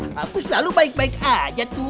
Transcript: aku selalu baik baik aja tuh